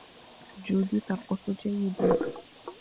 جودي ترقص جيدا.